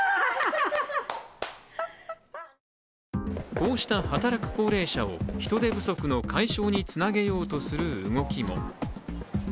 こうした働く高齢者を人手不足の解消につなげようとする動きも。